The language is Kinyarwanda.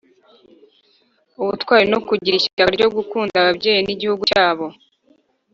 ubutwari no kugira ishyaka ryo gukunda ababyeyi n’igihugu cyabo.